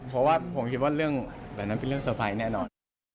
เพราะว่าผมคิดว่าเรื่องแบบนั้นเป็นเรื่องเตอร์ไพรส์แน่นอน